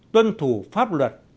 tuân thủ pháp luật